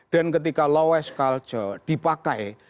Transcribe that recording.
dan ketika law as culture dipakai